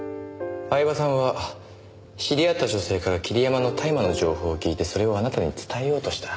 饗庭さんは知り合った女性から桐山の大麻の情報を聞いてそれをあなたに伝えようとした。